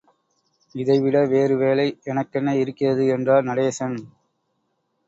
இதைவிட வேறு வேலை எனக் கென்ன இருக்கிறது? என்றார் நடேசன்.